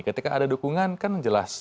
ketika ada dukungan kan jelas